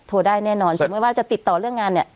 ได้แน่นอนสมมุติว่าจะติดต่อเรื่องงานเนี่ย